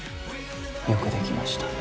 よくできました。